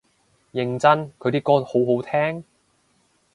認真佢啲歌好好聽？